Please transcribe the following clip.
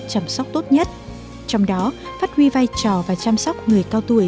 chăm sóc tốt nhất trong đó phát huy vai trò và chăm sóc người cao tuổi